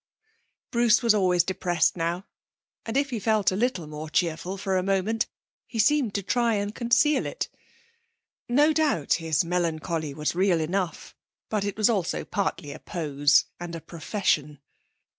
Bruce was always depressed now, and if he felt a little more cheerful for a moment he seemed to try and conceal it. No doubt his melancholy was real enough, but it was also partly a pose and a profession.